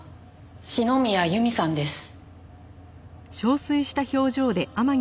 篠宮由美さんです。